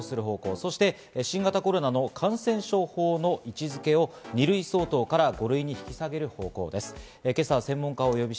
そして新型コロナの感染症法の位置付けを２類相当から５類に引き下げる方向です。